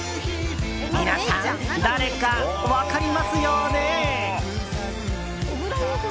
皆さん、誰か分かりますよね？